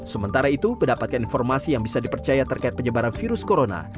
sementara itu mendapatkan informasi yang bisa dipercaya terkait penyebaran virus corona